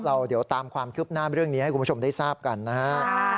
เราเดี๋ยวตามความคืบหน้าเรื่องนี้ให้คุณผู้ชมได้ทราบกันนะฮะ